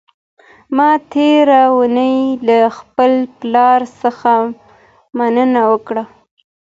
ما تېره اونۍ له خپل پلار څخه مننه وکړه.